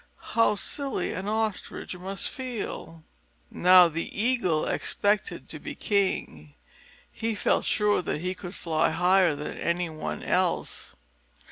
How silly an Ostrich must feel!) Now the Eagle expected to be king. He felt sure that he could fly higher than any one else.